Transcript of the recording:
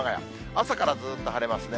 朝からずっと晴れますね。